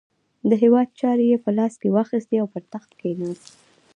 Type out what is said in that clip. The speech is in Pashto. د هیواد چارې یې په لاس کې واخیستې او پر تخت کښېناست.